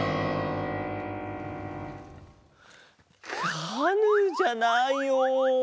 カヌーじゃないよ。